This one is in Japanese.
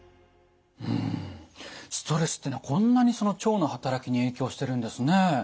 うんストレスっていうのはこんなに腸の働きに影響してるんですね。